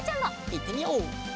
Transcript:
いってみよう！